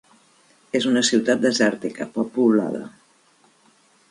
És una ciutat desèrtica, poc poblada.